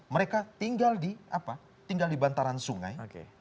mereka tinggal di bantaran sungai